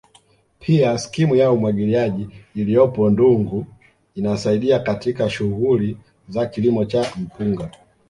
Pia skimu ya umwagiliaji iliyopo Ndungu inasaidia katika shughuli za kilimo cha mpunga